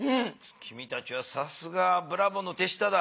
きみたちはさすがブラボーの手下だ。